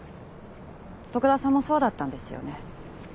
徳田さんもそうだったんですよね？